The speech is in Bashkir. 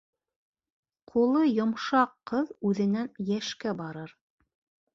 Ҡулы йомшаҡ ҡыҙ үҙенән йәшкә барыр.